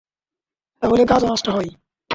তা হলে কাজও নষ্ট হয়।